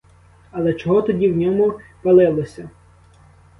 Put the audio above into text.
Але чого тоді в ньому палилося?